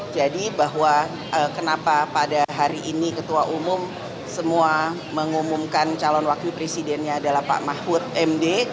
jadi bahwa kenapa pada hari ini ketua umum semua mengumumkan calon wakil presidennya adalah pak mahfud md